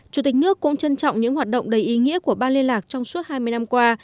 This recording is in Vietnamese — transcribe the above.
chủ tịch nước cũng trân trọng những hoạt động đầy ý nghĩa của ban liên lạc trong suốt hai mươi năm qua